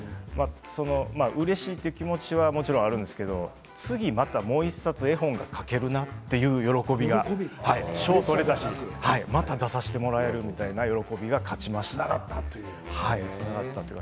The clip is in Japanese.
うれしいという気持ちはもちろんあるんですけど次またもう１冊、絵本描けるなという喜びが賞を取れてまた出させてもらえるみたいなつながった。